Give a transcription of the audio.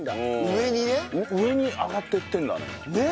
上に上がっていってるんだね。